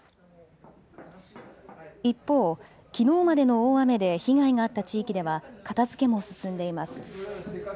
一方、きのうまでの大雨で被害があった地域では片づけも進んでいます。